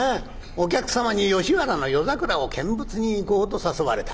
お客様に『吉原の夜桜を見物に行こう』と誘われた。